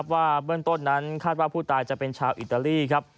ว่าเบื้องต้นนั้นคาดว่าผู้ตายจะเป็นชาวอิตาลีครับ